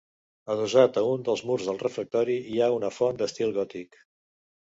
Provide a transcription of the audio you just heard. Adossat a un dels murs del refectori hi ha una font d'estil gòtic.